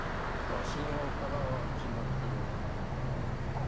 わしの腹は決まっておる。